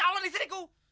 lintang putih itu